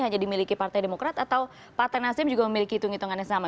hanya dimiliki partai demokrat atau partai nasdem juga memiliki hitung hitungannya sama